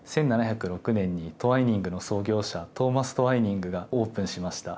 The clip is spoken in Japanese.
１７０６年にトワイニングの創業者トーマス・トワイニングがオープンしました。